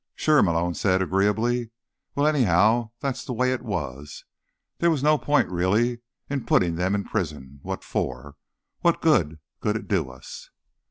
"Sure," Malone said agreeably. "Well, anyhow, that's the way it was. There was no point, really, in putting them in prison—what for? What good could it do us?"